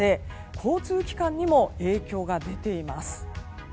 交通機関にも影響が出ています。